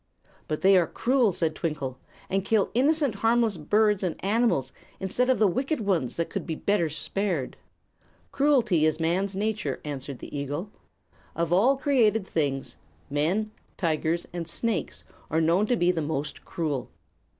"But they are cruel," said Twinkle, "and kill innocent, harmless birds and animals, instead of the wicked ones that could be better spared." "Cruelty is man's nature," answered the eagle. "Of all created things, men, tigers and snakes are known to be the most cruel.